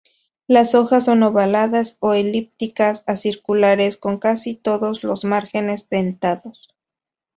Las hojas son ovaladas o elípticas a circulares con casi todos los márgenes dentados.